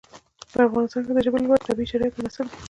په افغانستان کې د ژبې لپاره طبیعي شرایط مناسب دي.